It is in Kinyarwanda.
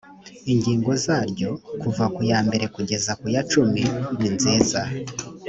ingingo zaryo kuva ku ya mbere kugeza ku yacumi ninziza